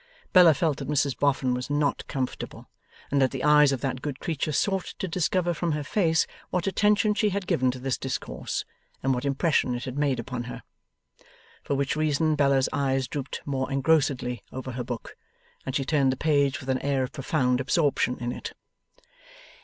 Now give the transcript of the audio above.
Bella felt that Mrs Boffin was not comfortable, and that the eyes of that good creature sought to discover from her face what attention she had given to this discourse, and what impression it had made upon her. For which reason Bella's eyes drooped more engrossedly over her book, and she turned the page with an air of profound absorption in it.